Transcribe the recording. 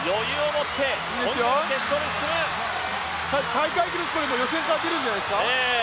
大会記録予選から出るんじゃないですか？